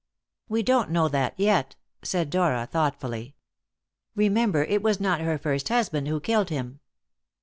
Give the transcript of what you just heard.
"We don't know that yet," said Dora thoughtfully. "Remember, it was not her first husband who killed him."